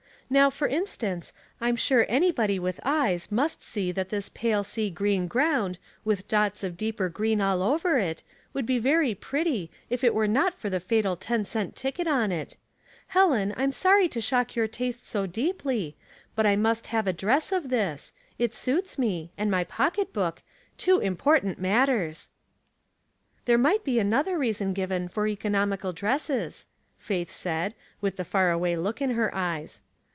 Now, for instance, I'm sure anybody with eyes must see that this pale sea green ground, with dots of deeper green all over it, would be very pretty, if it were not for that fatal ten cent ticket on it. Helen, I'm sorry to shock your taste so deeply ; but I must have a dress of this ; It suits me — and my pocket book — two irp portant matters." *' There might be another reason given fo^* economical dresses," Faith said, with the far away look in her eyes.